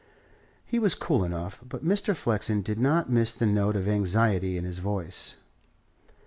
He was cool enough, but Mr. Flexen did not miss the note of anxiety in his voice.